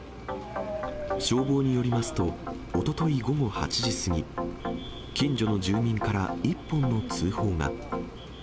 消防によりますと、おととい午後８時過ぎ、近所の住民から１本の通報が。